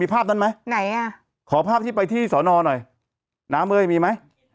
ภาพนั้นไหมไหนอ่ะขอภาพที่ไปที่สอนอหน่อยน้ำเอ้ยมีไหม